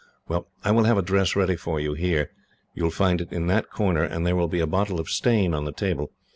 "Well, I will have a dress ready for you here. You will find it in that corner, and there will be a bottle of stain on the table.